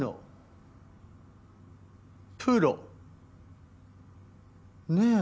プロねえ。